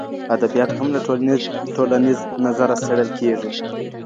ادبیات هم له ټولنیز نظره څېړل کیږي.